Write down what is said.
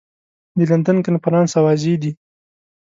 د لندن کنفرانس اوازې دي.